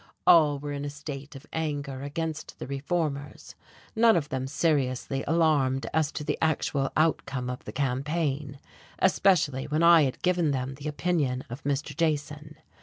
All were in a state of anger against the reformers; none of them seriously alarmed as to the actual outcome of the campaign, especially when I had given them the opinion of Mr. Jason.